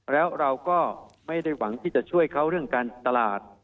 แล้วเราก็ไม่ได้หวังที่จะช่วยเขาเรื่องการตลาด